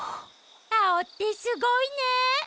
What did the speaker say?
アオってすごいね。